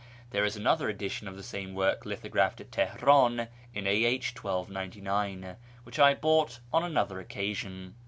(There is another edition of the same work lithographed at Teheran in a.h. 1299, which I bought on another occasion.)